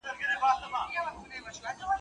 مامد خيره، ستا ئې د خيره.